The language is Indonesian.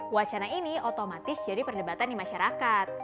wacana ini otomatis jadi perdebatan di masyarakat